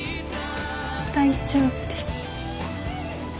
大丈夫です。